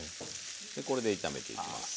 これで炒めていきます。